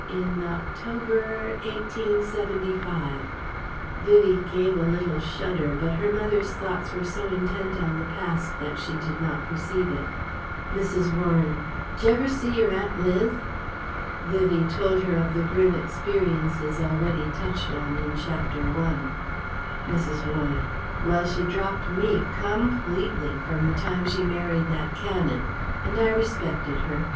in October, Eighteen seventy five " (Vivie gave a little shudder, but her mother's thoughts were so intent on the past that she did not perceive it.) Mrs. Warren: "Dj'ever see yer Aunt Liz?" Vivie told her of the grim experiences already touched on in Chapter I. Mrs. Warren: "Well she dropped me _com_pletely from the time she married that Canon. And I respected her.